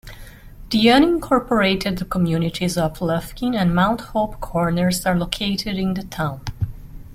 The unincorporated communities of Lufkin and Mount Hope Corners are located in the town.